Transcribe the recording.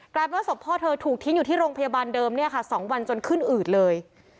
กลายเป็นว่าศพพ่อเธอถูกทิ้งอยู่ที่โรงพยาบาลเดิม๒วันจนขึ้นอืดเลย